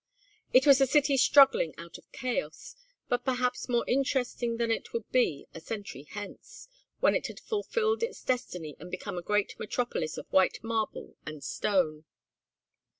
It was a city struggling out of chaos, but perhaps more interesting than it would be a century hence, when it had fulfilled its destiny and become a great metropolis of white marble and stone.